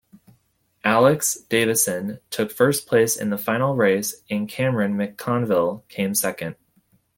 Alex Davison took first place in the final race and Cameron McConville came second.